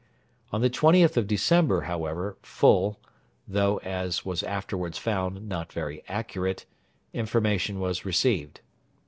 On the 20th of December, however, full though, as was afterwards found, not very accurate information was received.